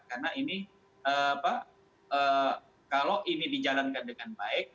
karena ini kalau ini dijalankan dengan baik